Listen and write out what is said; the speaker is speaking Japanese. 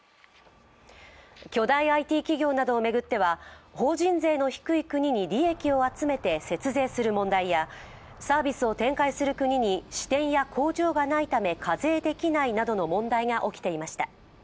巨大ＩＴ企業などを巡っては法人税の低い国に利益を集めて節税する問題やサービスを展開する国に支店や工場がないため課税できないなどの問題が起きていました。